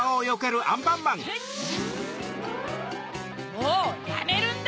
もうやめるんだ！